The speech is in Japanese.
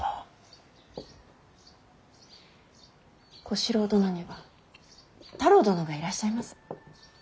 小四郎殿には太郎殿がいらっしゃいます。